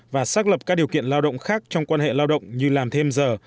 và xác lập các điều kiện lao động khác trong quan hệ lao động như làm thêm giờ